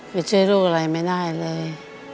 ไปช่วยลูกอะไรไม่ได้เลย